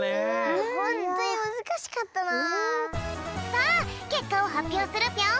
さあけっかをはっぴょうするぴょん。